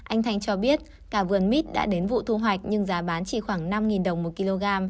anh thanh cho biết cả vườn mít đã đến vụ thu hoạch nhưng giá bán chỉ khoảng năm đồng một kg